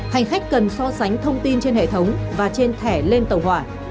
hành khách cần so sánh thông tin trên hệ thống và trên thẻ lên tàu hỏa